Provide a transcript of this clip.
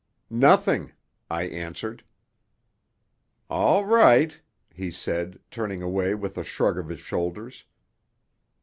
"Nothing," I answered. "All right," he said, turning away with a shrug of his shoulders.